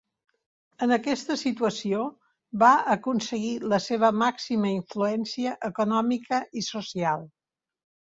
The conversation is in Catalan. En aquesta situació va aconseguir la seva màxima influència econòmica i social.